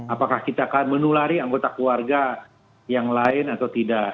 apakah kita akan menulari anggota keluarga yang lain atau tidak